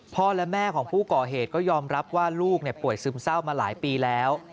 พ่อแม่ของผู้ก่อเหตุก็ยอมรับว่าลูกป่วยซึมเศร้ามาหลายปีแล้ว